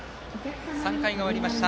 ３回が終わりました。